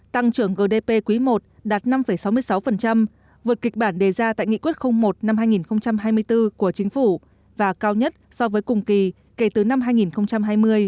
tăng trưởng gdp quý i đạt năm sáu mươi sáu vượt kịch bản đề ra tại nghị quyết một năm hai nghìn hai mươi bốn của chính phủ và cao nhất so với cùng kỳ kể từ năm hai nghìn hai mươi